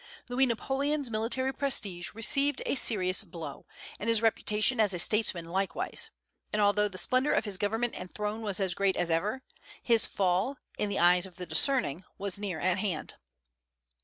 Louis Napoleon's military prestige received a serious blow, and his reputation as a statesman likewise; and although the splendor of his government and throne was as great as ever, his fall, in the eyes of the discerning, was near at hand.